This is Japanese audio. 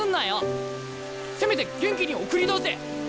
せめて元気に送り出せ！